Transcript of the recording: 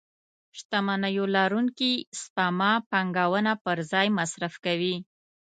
شتمنيو لرونکي سپما پانګونه پر ځای مصرف کوي.